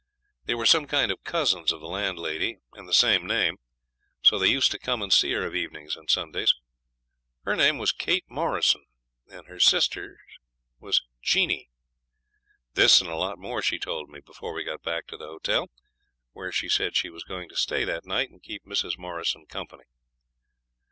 They were some kind of cousins of the landlady and the same name, so they used to come and see her of evenings and Sundays. Her name was Kate Morrison and her sister's was Jeanie. This and a lot more she told me before we got back to the hotel, where she said she was going to stay that night and keep Mrs. Morrison company.